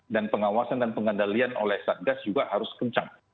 dan pengawasan dan pengendalian oleh satgas juga harus kencang